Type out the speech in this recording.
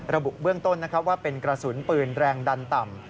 ระบุเบื้องต้นว่าเป็นกระสุนปืนแรงดันต่ำ